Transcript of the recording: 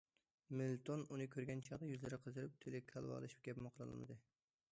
مىلتون ئۇنى كۆرگەن چاغدا يۈزلىرى قىزىرىپ، تىلى كالۋالىشىپ گەپمۇ قىلالمىدى.